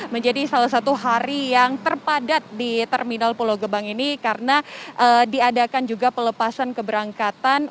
menjadi salah satu hari yang terpadat di terminal pulau gebang ini karena diadakan juga pelepasan keberangkatan